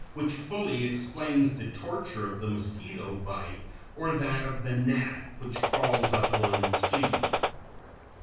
224), which fully explains the torture of the mosquito bite or that of the gnat which crawls up one's sleeve (Fig.